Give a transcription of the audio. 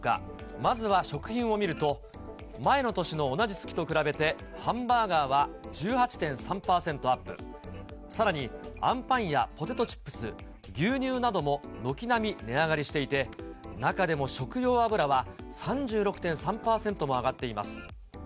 まずは食品を見ると、前の年の同じ月と比べてハンバーガーは１８．３％アップ、さらにあんパンやポテトチップス、牛乳なども軒並み値上がりしていて、中でも食用油は３６．３％も上がっています。